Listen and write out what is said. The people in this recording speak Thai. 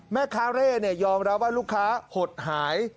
แม่ค้าเร่ยอมรับว่าลูกค้าหดหาย